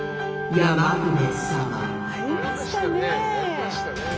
やりましたね。